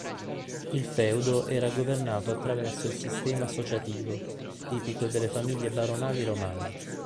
Il feudo era governato attraverso il sistema associativo, tipico delle famiglie baronali romane.